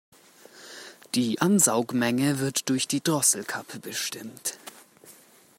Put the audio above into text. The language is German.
Die Ansaugmenge wird durch die Drosselklappe bestimmt.